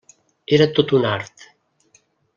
Era tot un art.